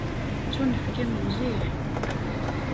Tettunefk-am mliḥ.